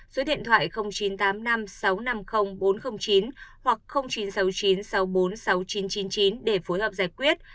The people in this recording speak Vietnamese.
số điện thoại chín trăm tám mươi năm sáu trăm năm mươi bốn trăm linh chín hoặc chín trăm sáu mươi chín sáu trăm bốn mươi sáu nghìn chín trăm chín mươi chín để phối hợp giải quyết